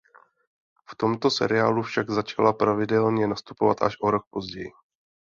V tomto seriálu však začala pravidelně nastupovat až o rok později.